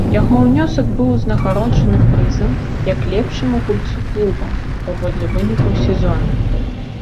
Яго ўнёсак быў узнагароджаны прызам як лепшаму гульцу клуба паводле вынікаў сезона.